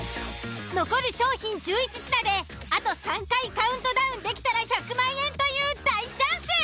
残る商品１１品であと３回カウントダウンできたら１００万円という大チャンス！